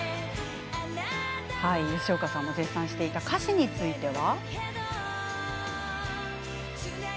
吉岡さんも絶賛していた歌詞については。